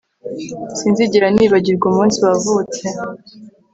sinzigera nibagirwa umunsi wavutse